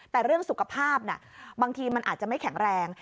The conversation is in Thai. แต่เรื่องสุขภาพบางทีมันอาจจะไม่แข็งแรง